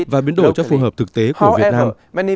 và biến đổi cho phù hợp thực tế khỏi việt nam